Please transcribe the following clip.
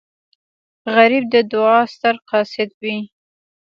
غریب د دعا ستر قاصد وي